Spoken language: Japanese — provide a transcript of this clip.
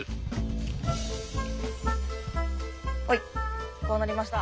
はいこうなりました。